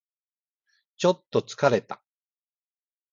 ちょっと疲れた